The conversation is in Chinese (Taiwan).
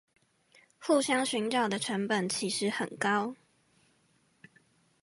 互相尋找的成本其實很高！